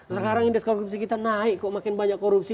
sekarang indeks korupsi kita naik kok makin banyak korupsi